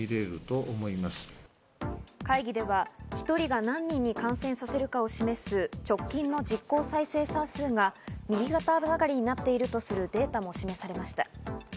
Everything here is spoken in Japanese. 会議では１人が何人に感染させるかを示す直近の実効再生産数が右肩上がりになっているとするデータも示されました。